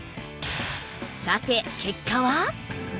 さて結果は？